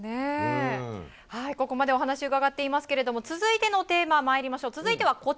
ここまでお話し伺っていますけども続いてのテーマに参りましょう。